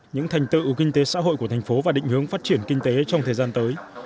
những thành tựu kinh tế xã hội của thành phố và định hướng phát triển kinh tế trong thời gian tới